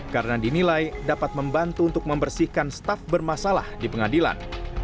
karena dinilai dapat membantu untuk membersihkan staf bermasalah di pengadilan